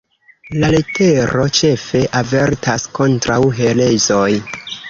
La letero ĉefe avertas kontraŭ herezoj.